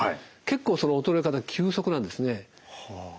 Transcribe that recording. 結構その衰え方急速なんですね。